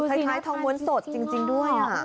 คล้ายทองม้วนสดจริงด้วย